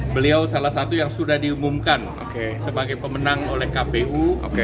beliau salah satu yang sudah diumumkan sebagai pemenang oleh kpu